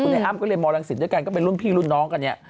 อ้ำก็เรียนมลังศิษย์ด้วยกันก็เป็นรุ่นพี่รุ่นน้องกัน